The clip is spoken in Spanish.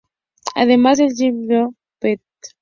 Además, el single "Shook Ones Pt.